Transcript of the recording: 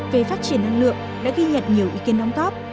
về phát triển năng lượng đã ghi nhận nhiều ý kiến đóng góp